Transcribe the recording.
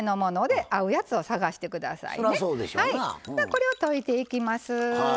これを溶いていきます。